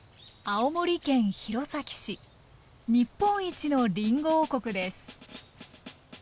青森県弘前市日本一のりんご王国です